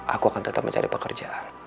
aku akan tetap mencari pekerjaan